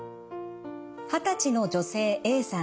二十歳の女性Ａさん